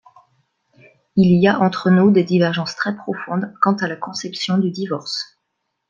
Il y a entre nous des divergences très profondes quant à la conception du divorce.